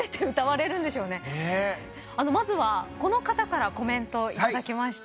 まずはこの方からコメントいただきました。